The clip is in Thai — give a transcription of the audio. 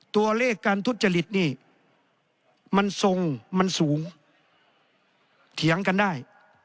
ตัวเลขการทุจริตนี่มันทรงมันสูงเถียงกันได้